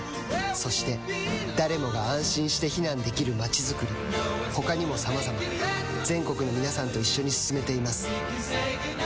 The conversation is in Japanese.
そして誰もが安心して避難できる街づくり他にもさまざま全国の皆さんと一緒に進めています